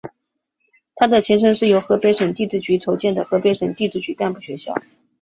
他的前身是由河北省地质局筹建的河北省地质局干部学校。